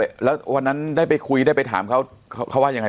แล้ววันนั้นได้ไปคุยได้ไปถามเขาเขาว่ายังไง